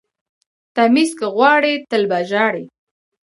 ـ تميز که غواړئ تل به ژاړئ.